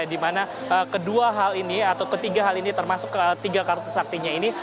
di mana kedua hal ini atau ketiga hal ini termasuk tiga kartu saktinya ini